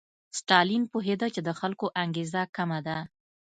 ستالین پوهېده چې د خلکو انګېزه کمه ده.